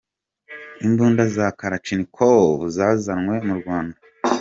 Imbunda za Kalachnikov zazanwe mu Rwanda.